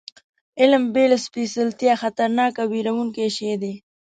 علم بې له سپېڅلتیا خطرناک او وېروونکی شی دی.